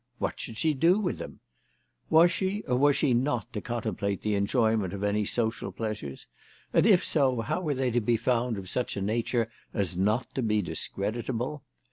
What should she do with them ? Was she or was she not to contemplate the enjoyment of any social pleasures ; and if so, how were they to be found of such a nature as not to be discreditable